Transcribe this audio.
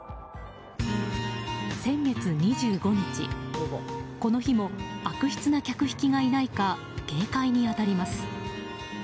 先月２５日、この日も悪質な客引きがいないか警戒に当たります。